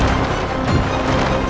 saya ingin mencoba